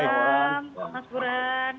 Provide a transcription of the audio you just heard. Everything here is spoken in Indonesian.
selamat malam pak burhan